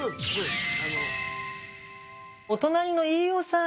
お隣の飯尾さん。